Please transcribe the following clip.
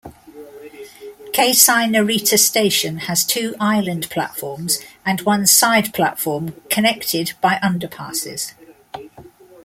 Keisei Narita Station has two island platforms and one side platform connected by underpasses.